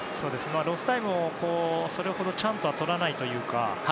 ロスタイムも、それほどちゃんとはとらないというか。